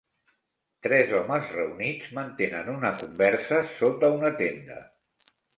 Tres homes reunits mantenen una conversa sota una tenda